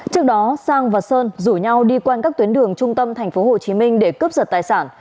trước đó sang và sơn rủ nhau đi quanh các tuyến đường trung tâm tp hcm để cướp giật tài sản